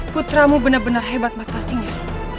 putramu benar benar hebat batasinya